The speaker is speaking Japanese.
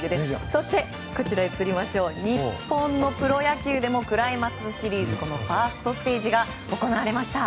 そして日本のプロ野球でもクライマックスシリーズファーストステージが行われました。